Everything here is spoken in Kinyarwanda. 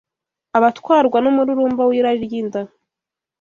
Abatwarwa n’umururumba w’irari ry’inda